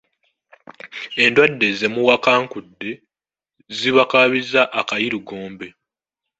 Endwadde zemuwakankudde zibakaabizza akayirigombe.